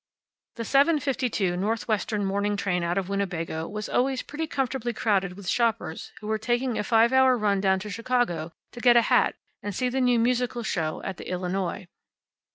The 7:52 Northwestern morning train out of Winnebago was always pretty comfortably crowded with shoppers who were taking a five hour run down to Chicago to get a hat and see the new musical show at the Illinois.